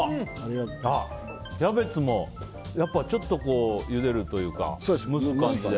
キャベツもゆでるというか蒸す感じで。